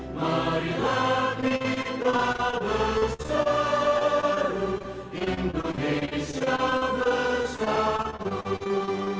marilah kita berseru indonesia berseru